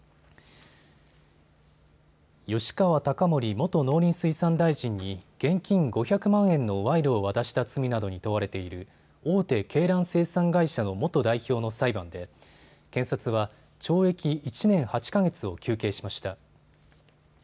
吉川貴盛元農林水産大臣に現金５００万円の賄賂を渡した罪などに問われている大手鶏卵生産会社の元代表の裁判で検察は懲役１年８か月を求刑しました。